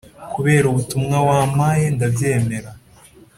kubera ubutumwa wampaye ndabyemera